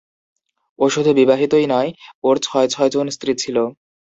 ও শুধু বিবাহিতই নয়, ওর ছয়-ছয়জন স্ত্রী ছিল।